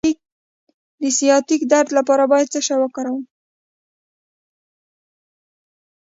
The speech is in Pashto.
د سیاتیک درد لپاره باید څه شی وکاروم؟